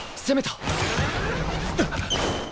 攻めた！